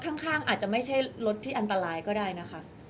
ข้างอาจจะไม่ใช่รถที่อันตรายก็ได้นะคะ